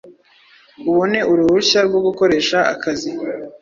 ubone uruhushya rwo gukoresha akazi